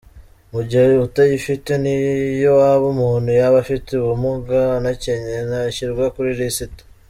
Mu gihe utayifite n’iyo waba umuntu yaba afite ubumuga anakennye ntashyirwa kuri lisiti.